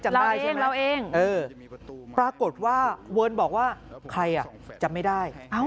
จำได้ใช่ไหมเออปรากฏว่าเวิร์นบอกว่าใครอ่ะจำไม่ได้